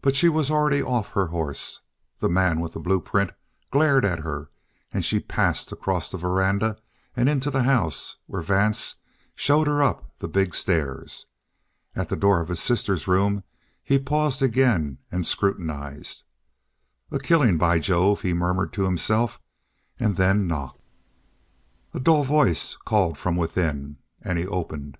But she was already off her horse. The man with the blueprint glared at her, and she passed across the veranda and into the house, where Vance showed her up the big stairs. At the door of his sister's room he paused again and scrutinized. "A killing by Jove!" he murmured to himself, and then knocked. A dull voice called from within, and he opened.